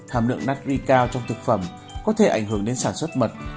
hàm lượng nát truy cao trong thực phẩm có thể ảnh hưởng đến sản xuất mật